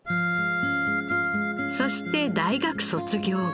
そして大学卒業後。